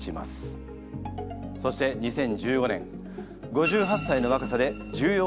そして２０１５年５８歳の若さで重要